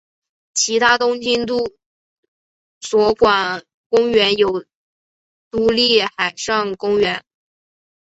其他东京都所管公园有都立海上公园。